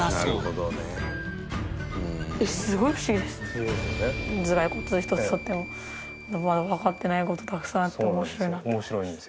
蓮君：頭蓋骨１つとってもまだわかってない事たくさんあって面白いなと思います。